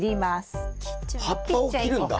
葉っぱを切るんだ。